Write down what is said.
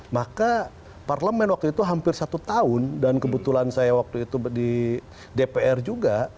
maka parlemen waktu itu hampir satu tahun dan kebetulan saya waktu itu di dpr juga